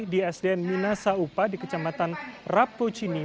di sd minasa upa di kecamatan rapucini